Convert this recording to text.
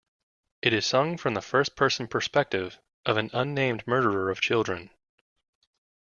It is sung from the first person perspective of an unnamed murderer of children.